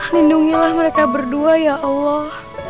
lindungilah mereka berdua ya allah